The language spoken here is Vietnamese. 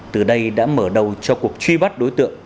từ đây đã mở đầu cho cuộc truy bắt đối tượng